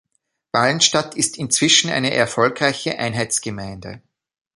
Walenstadt ist inzwischen eine erfolgreiche Einheitsgemeinde.